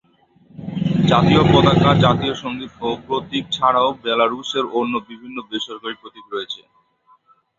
জাতীয় পতাকা, জাতীয় সঙ্গীত ও প্রতীক ছাড়াও বেলারুশের অন্য বিভিন্ন বেসরকারী প্রতীক রয়েছে।